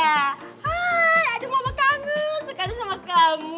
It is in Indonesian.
hai aduh mama kangen cek aduh sama kamu